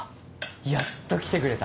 やっと来てくれた。